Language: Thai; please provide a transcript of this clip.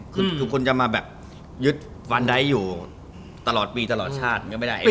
คือทุกคนจะมาแบบยึดวันไดท์อยู่ตลอดปีตลอดชาติก็ไม่ได้